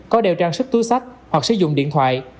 có đeo trang sức túi sách hoặc sử dụng điện thoại